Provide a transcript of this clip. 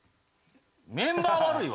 メンバー悪いわ。